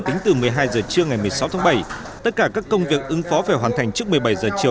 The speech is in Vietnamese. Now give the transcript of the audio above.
tính từ một mươi hai h trưa ngày một mươi sáu tháng bảy tất cả các công việc ứng phó phải hoàn thành trước một mươi bảy h chiều